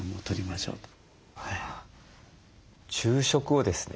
昼食をですね